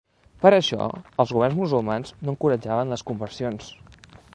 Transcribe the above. Per això, els governs musulmans no encoratjaven les conversions.